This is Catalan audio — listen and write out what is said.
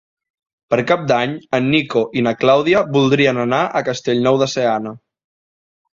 Per Cap d'Any en Nico i na Clàudia voldrien anar a Castellnou de Seana.